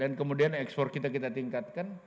dan kemudian ekspor kita kita tingkatkan